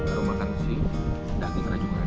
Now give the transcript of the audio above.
harum makan si daging ranjungan